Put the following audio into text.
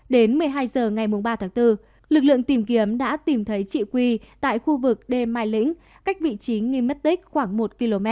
đến một mươi hai h ngày ba tháng bốn lực lượng tìm kiếm đã tìm thấy chị quy tại khu vực đê mai lĩnh cách vị trí nghi mất tích khoảng một km